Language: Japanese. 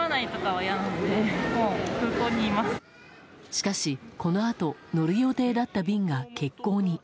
しかし、このあと乗る予定だった便が欠航に。